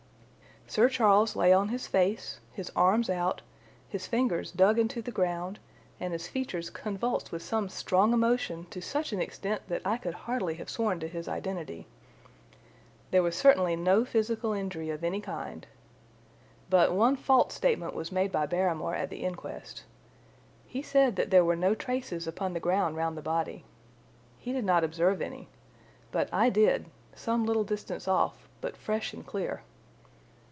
Sir Charles lay on his face, his arms out, his fingers dug into the ground, and his features convulsed with some strong emotion to such an extent that I could hardly have sworn to his identity. There was certainly no physical injury of any kind. But one false statement was made by Barrymore at the inquest. He said that there were no traces upon the ground round the body. He did not observe any. But I did—some little distance off, but fresh and clear."